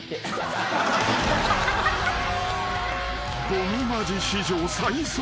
［ボムマジ史上最速。